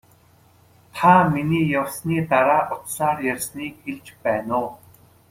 Та миний явсны дараа утсаар ярьсныг хэлж байна уу?